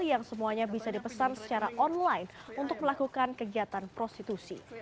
yang semuanya bisa dipesan secara online untuk melakukan kegiatan prostitusi